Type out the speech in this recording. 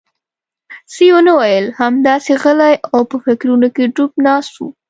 څه یې ونه ویل، همداسې غلی او په فکرونو کې ډوب ناست و.